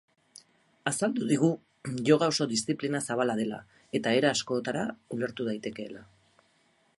Azaldu digu yoga oso diziplina zabala dela, eta era askotara ulertu daitekeela.